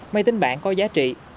máy tính bản có giá trị